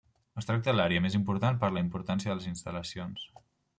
Es tracta de l'àrea més important per la importància de les instal·lacions.